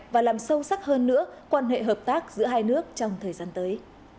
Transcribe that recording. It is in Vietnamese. và làm sâu sắc hơn nữa quan hệ hợp tác giữa hai nước trong thời gian tới